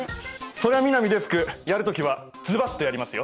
そりゃ南デスクやる時はズバッとやりますよ。